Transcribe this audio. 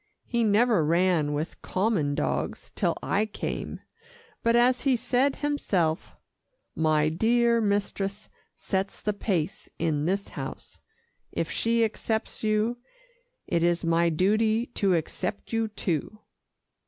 He never ran with common dogs till I came, but as he said himself, 'My dear mistress sets the pace in this house if she accepts you, it is my duty to accept you, too.